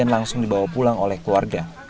langsung dibawa pulang oleh keluarga